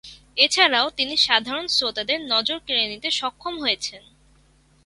এছাড়াও তিনি সাধারণ শ্রোতাদের নজর কেড়ে নিতে সক্ষম হয়েছেন।